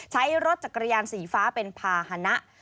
ใช้รถจักรยานสีฟ้าเป็นภาษณะ